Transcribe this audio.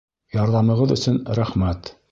Ярҙамығыҙ өсөн рәхмәт!